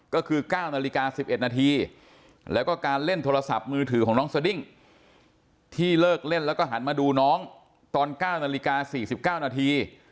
ก็คือ๙นาฬิกา๑๑นาทีแล้วก็การเล่นโทรศัพท์มือถือของน้องสดิ้งที่เลิกเล่นแล้วก็หันมาดูน้องตอน๙นาฬิกา๔๙นาที